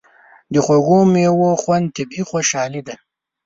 د خوږو میوو خوند طبیعي خوشالي ده.